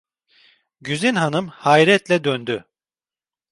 Güzin Hanım hayretle döndü.